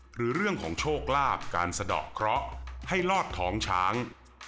หรือเรื่องของโชคลาภการสะดอกเคราะห์ให้ลอดท้องช้าง